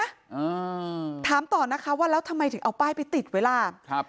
อ่าถามต่อนะคะว่าแล้วทำไมถึงเอาป้ายไปติดไว้ล่ะครับ